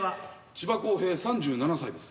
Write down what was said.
千葉公平３７歳です。